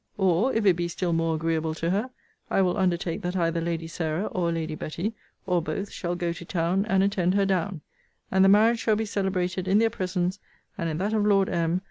Or, if it be still more agreeable to her, I will undertake that either Lady Sarah or Lady Betty, or both, shall go to town and attend her down; and the marriage shall be celebrated in their presence, and in that of Lord M.